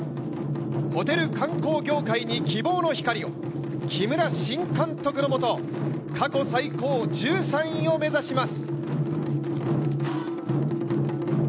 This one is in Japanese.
ホテル観光業界に希望の光を、木村新監督のもと過去最高１３位を目指します。